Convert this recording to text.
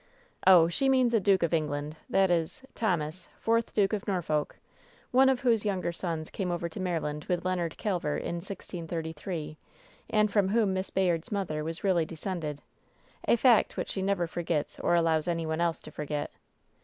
"Oh, she means a duke of England — ^that is, Thomas, fourth Duke of Norfolk, one of whose younger sons came over to Maryland with Leonard Calvert in 1683, and from whom Miss Bayard's mother was really descended — a fact which she never forgets or allows any one else to forget.